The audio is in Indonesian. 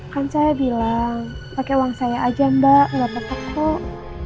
kan saya bilang pakai uang saya aja mbak nggak tetep kok